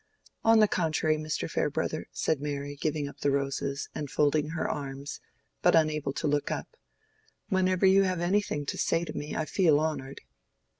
"On the contrary, Mr. Farebrother," said Mary, giving up the roses, and folding her arms, but unable to look up, "whenever you have anything to say to me I feel honored."